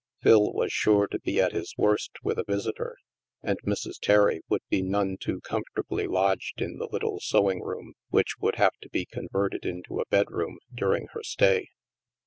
Phil was sure to be at his worst with a visitor, and Mrs. Terry would be none too com fortably lodged in the little sewing room which would have to be converted into a bedroom during her stay.